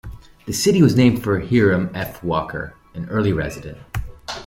The city was named for Hiram F. Walker, an early resident.